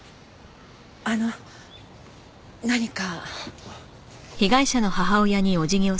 あの何か？